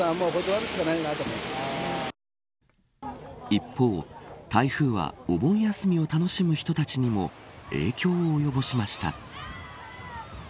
一方、台風はお盆休みを楽しむ人たちにも影響を及ぼしました。